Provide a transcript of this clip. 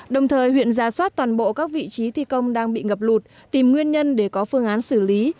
đồng thời huyện ra soát toàn bộ các vị trí thi công đang bị ngập lụt tìm nguyên nhân để có phương án xử lý